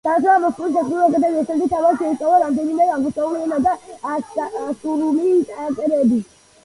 დაამთავრა მოსკოვის სასულიერო აკადემია, შემდეგ თავად შეისწავლა რამდენიმე აღმოსავლური ენა და ასურული წარწერები.